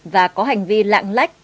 và có hành vi lạng lách